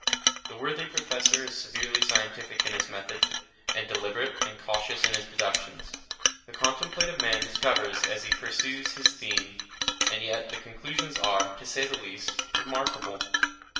The worthy Professor is severely scientific in his method, and deliberate and cautious in his deductions, the contemplative man discovers as he pursues his theme, and yet the conclusions are, to say the least, remarkable.